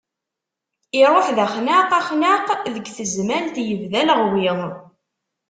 Iruḥ d axnaq axnaq, deg Tezmalt yebda aleɣwi.